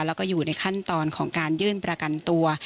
แล้วก็อยู่ในขั้นตอนของการยื่นประกันตัว